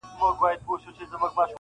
• ستا توري باښې غلیمه ټولي مقدسي دي..